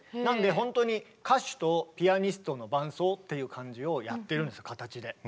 なのでほんとに歌手とピアニストの伴奏っていう感じをやってるんですよ形で。